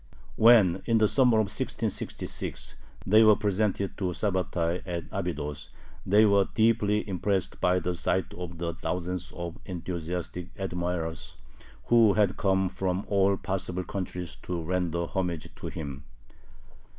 When, in the summer of 1666, they were presented to Sabbatai at Abydos, they were deeply impressed by the sight of the thousands of enthusiastic admirers who had come from all possible countries to render homage to him.